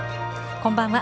こんばんは。